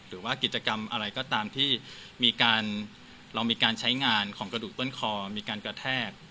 หรือว่ากิจกรรมอะไรก็ตามที่เรามีการใช้งานของกระดูกต้นคอมีการกระแทก